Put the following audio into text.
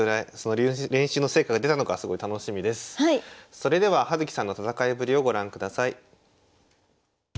それでは葉月さんの戦いぶりをご覧ください。